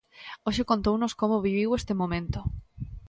Hoxe contounos como viviu este momento.